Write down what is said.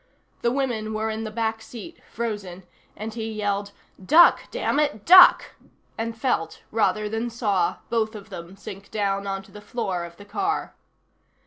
The women were in the back seat, frozen, and he yelled: "Duck, damn it, duck!" and felt, rather than saw, both of them sink down onto the floor of the car.